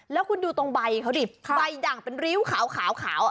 แล้วคุณดูตรงใบเขาดิใบดั่งเป็นริ้วขาว